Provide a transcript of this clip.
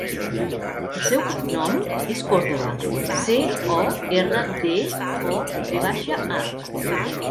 El seu cognom és Cordova: ce, o, erra, de, o, ve baixa, a.